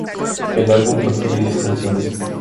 El álbum contiene diez canciones.